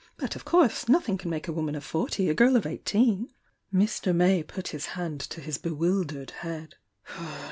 But of course nothing can make a woman of forty a girl of eighteen!" Mr. May put his hand to his bewildered head.